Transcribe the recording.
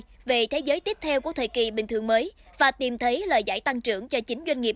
về thế giới tiếp theo của thời kỳ bình thường mới và tìm thấy lời giải tăng trưởng cho chính doanh nghiệp